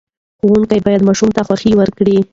ښوونکي باید ماشوم ته خوښۍ ورکړي.